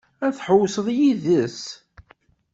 Ad tḥewwseḍ yid-s?